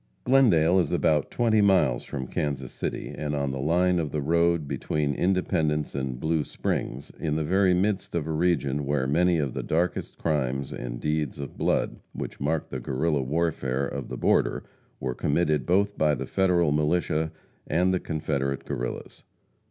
Glendale is about twenty miles from Kansas City, and on the line of the road between Independence and Blue Springs, in the very midst of a region where many of the darkest crimes and deeds of blood which marked the Guerrilla warfare of the border were committed both by the Federal militia and the Confederate Guerrillas.